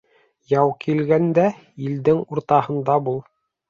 Яу килгәндә илдең уртаһында бул.